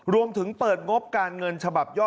รวมถึงเปิดงบการเงินฉบับย่อ